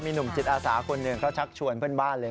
หนุ่มจิตอาสาคนหนึ่งเขาชักชวนเพื่อนบ้านเลย